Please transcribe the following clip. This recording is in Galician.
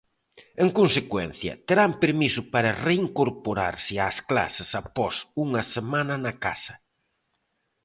En consecuencia, terán permiso para reincorporarse ás clases após unha semana na casa.